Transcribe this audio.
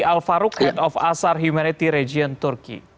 terima kasih al farouk head of asar humanity region turki